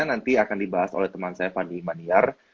nanti akan dibahas oleh teman saya fani imaniar